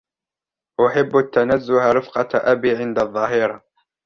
أحب التنزه رفقة أبي عند الظهيرة